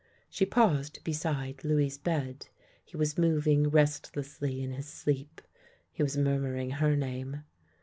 She paused beside Louis' bed. He was moving rest lessly in his sleep; he was murmuring her name.